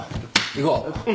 行こう。